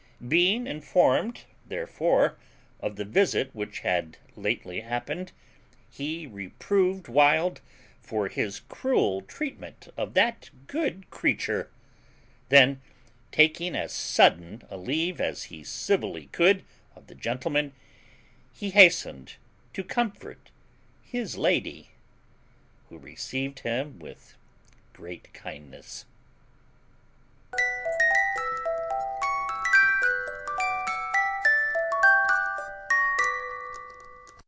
Being informed therefore of the visit which had lately happened, he reproved Wild for his cruel treatment of that good creature; then, taking as sudden a leave as he civilly could of the gentleman, he hastened to comfort his lady, who received him with great kindness.